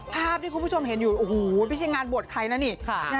ภาพที่คุณผู้ชมเห็นอยู่โอ้โหไม่ใช่งานบวชใครนะนี่